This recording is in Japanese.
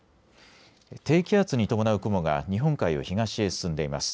低気圧に伴う雲が日本海を東へ進んでいます。